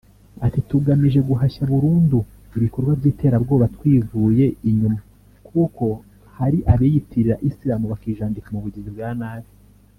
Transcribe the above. Ati “Tugamije guhashya burundu ibikorwa by’iterabwoba twivuye inyuma kuko hari abiyitirira Islam bakijandika mu bugizi bwa nabi